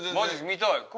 見たい！